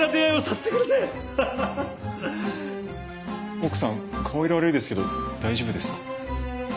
奥さん顔色悪いですけど大丈夫ですか？